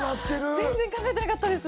全然考えてなかったです。